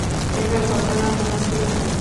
এই ঘটনার কোনো চিহ্ন থাকবে না।